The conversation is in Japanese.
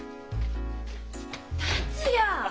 達也！